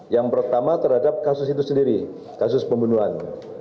yang pertama terhadap kasus itu sendiri kasus pembunuhan